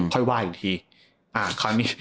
เราค่อยว่าอีกที